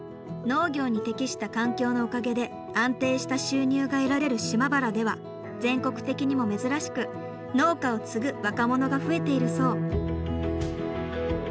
農業に適した環境のおかげで安定した収入が得られる島原では全国的にも珍しく農家を継ぐ若者が増えているそう。